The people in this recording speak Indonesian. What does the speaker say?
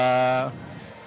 tentu orang tua